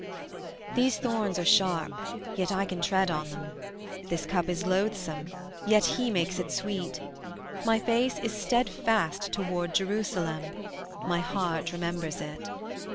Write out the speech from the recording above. These thorns are sharp, yet I can tread on them; This cup is loathsome, yet He makes it sweet; My face is steadfast toward Jerusalem, My heart remembers it.